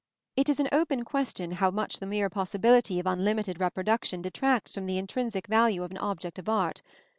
It is an open question how much the mere possibility of unlimited reproduction detracts from the intrinsic value of an object of art.